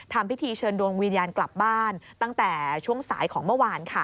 ทำพิธีเชิญดวงวิญญาณกลับบ้านตั้งแต่ช่วงสายของเมื่อวานค่ะ